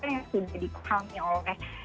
yang sudah dikehami oleh